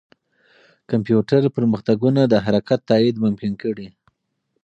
کمپیوټر پرمختګونه د حرکت تایید ممکن کړي.